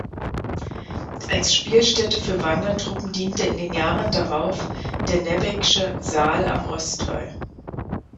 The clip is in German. Als Spielstätte für Wandertruppen diente in den Jahren darauf der Nebeck’sche Saal am Ostwall.